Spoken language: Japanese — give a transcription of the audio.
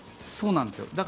そうなんですよ。